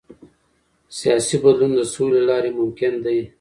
سیاسي بدلون د سولې له لارې ممکن دی